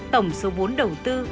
tổng số vốn đầu tư